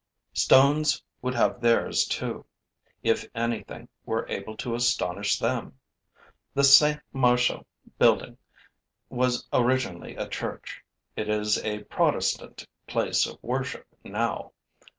Stones would have theirs too, if anything were able to astonish them. The Saint Martial building was originally a church; it is a protestant place of worship now.